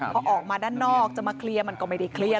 พอออกมาด้านนอกจะมาเคลียร์มันก็ไม่ได้เคลียร์